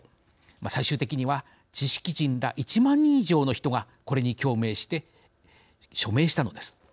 最終的には知識人ら１万人以上の人がこれに共鳴して署名したのです。